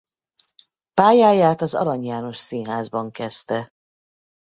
Pályáját az Arany János Színházban kezdte.